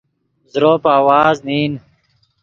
زروپ آواز نین